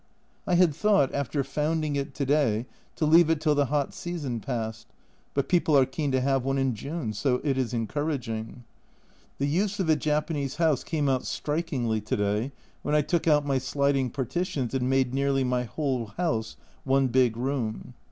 I had thought, after founding it to day, to leave it till the hot season passed, but people are keen to have one in June so it is encouraging. The use of a Japanese house came out strikingly to day when I took out my sliding partitions and made nearly my whole house one big room.